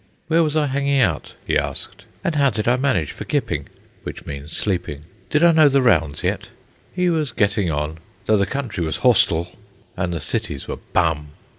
Where was I hanging out? he asked. And how did I manage for "kipping"?—which means sleeping. Did I know the rounds yet? He was getting on, though the country was "horstyl" and the cities were "bum."